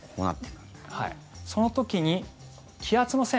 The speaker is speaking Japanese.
その時に気圧の線